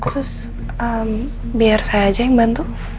khusus biar saya aja yang bantu